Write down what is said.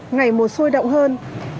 ngày mùa sôi động hơn